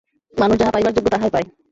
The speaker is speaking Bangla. মানুষ যাহা পাইবার যোগ্য, তাহাই পায়।